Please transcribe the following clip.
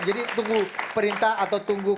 jadi tunggu perintah atau tunggu